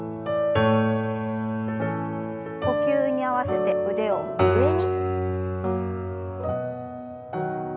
呼吸に合わせて腕を上に。